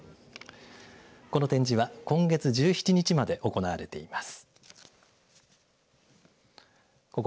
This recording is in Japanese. この展示は今月１７日まで行われています。